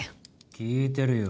聞いてるよ。